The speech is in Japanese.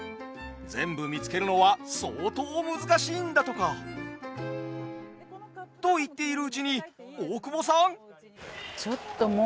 全部見つけるのは相当難しいんだとか。と言っているうちに大久保さん！？